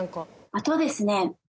あとですね